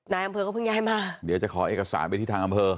นายอำเภอก็เพิ่งย้ายมาเดี๋ยวจะขอเอกสารไปที่ทางอำเภอ